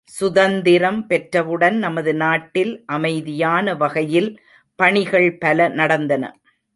சுதந்திரம் பெற்றவுடன் நமது நாட்டில் அமைதியான வகையில் பணிகள் பல நடந்தன.